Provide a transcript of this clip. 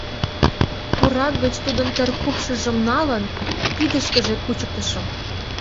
Пурак гыч тудын теркупшыжым налын, пидышкыже кучыктышым...